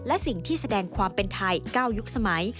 และสิ่งที่แสดงความเป็นไทย๙ยุคสมัย